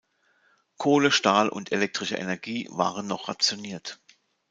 Kohle, Stahl und elektrische Energie waren noch rationiert.